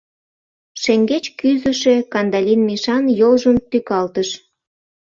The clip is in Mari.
Шеҥгеч кӱзышӧ Кандалин Мишан йолжым тӱкалтыш.